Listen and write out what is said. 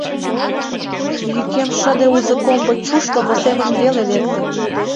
Йӱкем шыде узо комбо чушлымо семын веле лекте.